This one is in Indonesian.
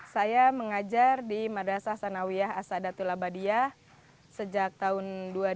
saya mengajar di madrasah sanawiyah asadatul abadiah sejak tahun dua ribu